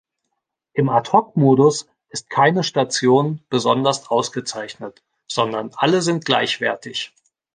Im Ad-hoc-Modus ist keine Station besonders ausgezeichnet, sondern alle sind gleichwertig.